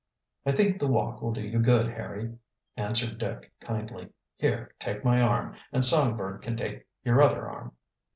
"I think the walk will do you good, Harry," answered Dick kindly. "Here, take my arm, and Songbird can take your other arm."